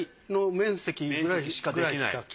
面積しかできない。